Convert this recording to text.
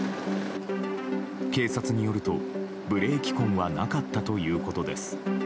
警察によるとブレーキ痕はなかったということです。